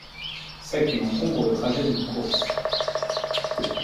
C'est qu'il encombre le trajet d'une course.